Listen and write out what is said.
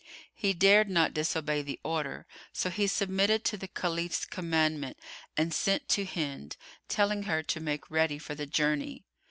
He dared not disobey the order, so he submitted to the Caliph's commandment and sent to Hind, telling her to make ready for the journey.